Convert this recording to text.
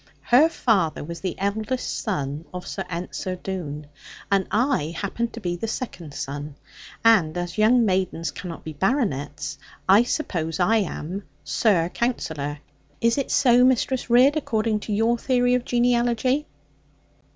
Her father was the eldest son of Sir Ensor Doone; and I happened to be the second son; and as young maidens cannot be baronets, I suppose I am "Sir Counsellor." Is it so, Mistress Ridd, according to your theory of genealogy?'